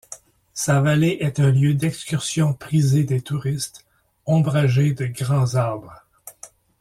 Sa vallée est un lieu d'excursion prisé des touristes, ombragée de grands arbres.